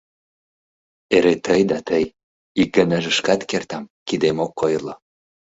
Эре тый да тый, ик ганаже шкат кертам, кидем ок ойырло...